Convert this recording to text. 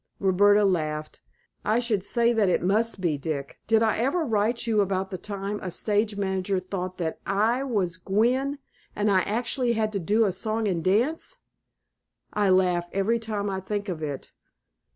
Roberta laughed. "I should say that it must be, Dick. Did I ever write you about the time a stage manager thought that I was Gwen, and I actually had to do a song and dance? I laugh every time I think of it.